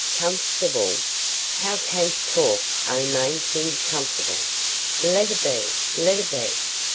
"Comfortable! How canst talk o' ma'in' things comfortable? Let a be, let a be.